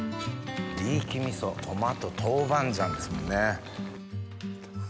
リーキ味噌トマト豆板醤ですもんね。